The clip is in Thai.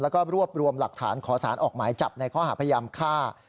แล้วก็รวบรวมหลักฐานขอสารออกหมายจับในข้อหาพยายามฆ่า